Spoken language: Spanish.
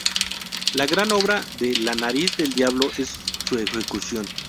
La gran obra de "La Nariz del Diablo" es su ejecución.